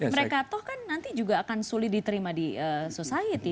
mereka toh kan nanti juga akan sulit diterima di society